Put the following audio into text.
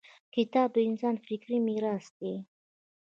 • کتاب د انسان فکري میراث دی.